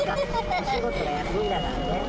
お仕事が休みだからね。